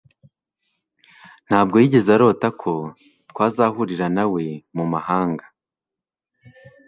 Ntabwo yigeze arota ko azahurira nawe mumahanga